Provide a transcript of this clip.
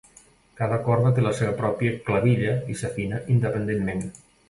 Cada corda té la seva pròpia clavilla i s'afina independentment.